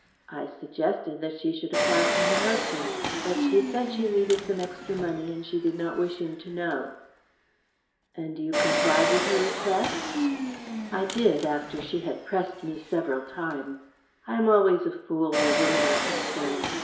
I suggested that she should apply to her husband, but she said she needed some extra money, and she did not wish him to know." "And you complied with her request?" "I did, after she had pressed me several times. I am always a fool where women are concerned.